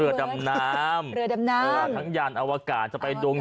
เรือดำน้ำเหรอดำน้ำเอ่อทั้งย่านอวกาศจะไปดวง